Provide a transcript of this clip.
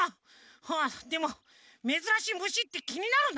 はあでもめずらしいむしってきになるなあもう！